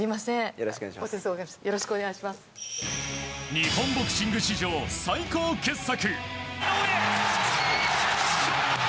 日本ボクシング史上最高傑作。